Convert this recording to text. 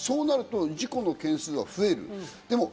そうなると事故の件数が増える。